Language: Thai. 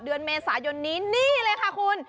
เดือนเมษายนนี้นี่เลยค่ะคุณ